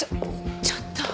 ちょっと！